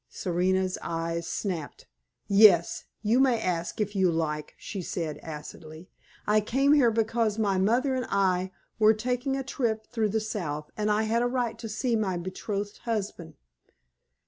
Serena's eyes snapped. "Yes; you may ask, if you like," she said, acidly. "I came here because my mother and I were taking a trip through the South, and I had a right to see my betrothed husband."